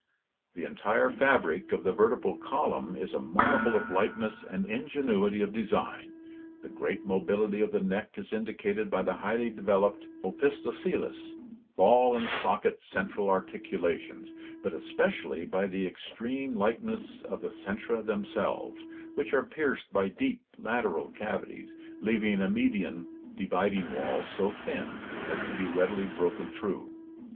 The entire fabric of the vertebral column is a marvel of lightness and ingenuity of design. The great mobility of the neck is indicated by the highly developed (opis thocoelous) ball and socket central articulations, but especially by the extreme lightness of the centra themselves, which are pierced by deep lateral cavities leaving a median dividing wall so thin as to be readily broken through.